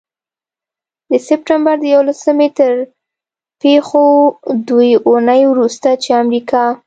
د سپټمبر د یوولسمې تر پيښو دوې اونۍ وروسته، چې امریکا